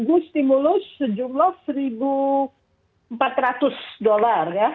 itu stimulus sejumlah satu empat ratus dolar ya